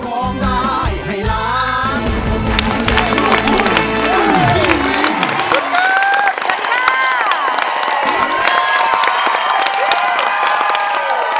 สุดมาก